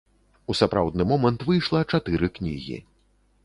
У сапраўдны момант выйшла чатыры кнігі.